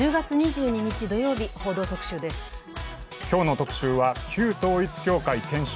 今日の特集は、旧統一教会検証